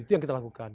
itu yang kita lakukan